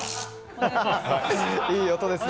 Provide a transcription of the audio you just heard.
いい音ですね。